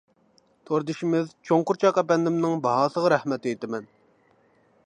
توردىشىمىز ‹ ‹چوڭقۇرچاق› › ئەپەندىمنىڭ باھاسىغا رەھمەت ئېيتىمەن.